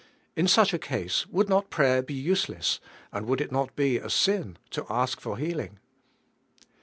In such a case, would not prayer be useless, and would it not be a sin to ask for heal ing?